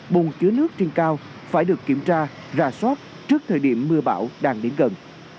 bùng chứa nước trên cao phải được kiểm tra ra soát trước thời điểm mưa bão đang đến gần